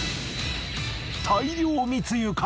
大量密輸か！？